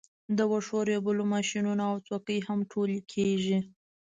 د واښو ریبلو ماشینونه او څوکۍ هم ټولې کیږي